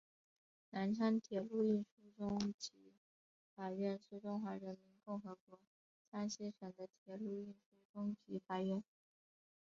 南昌铁路运输中级法院是中华人民共和国江西省的铁路运输中级法院。